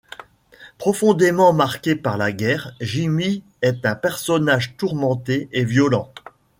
Profondément marqué par la guerre, Jimmy est un personnage tourmenté et violent.